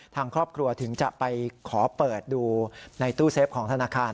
ทางครอบครัวถึงจะไปขอเปิดดูในตู้เซฟของธนาคาร